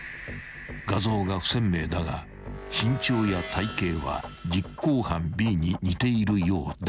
［画像が不鮮明だが身長や体形は実行犯Ｂに似ているようだが］